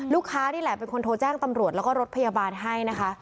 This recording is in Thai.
นี่แหละเป็นคนโทรแจ้งตำรวจแล้วก็รถพยาบาลให้นะคะ